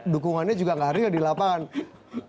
dukungannya juga gak real di lapangan